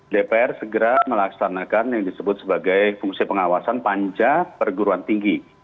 dpr segera melaksanakan yang disebut sebagai fungsi pengawasan panja perguruan tinggi